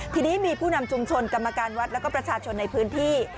ทีนี้มีผู้นำชุมชนกรรมการวัดแล้วก็ประชาชนในพื้นที่